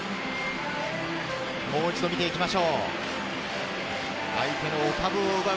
もう一度見ていきましょう。